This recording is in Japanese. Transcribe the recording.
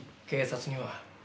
警察には。